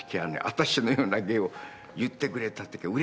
私のような芸を言ってくれた時はうれしかった。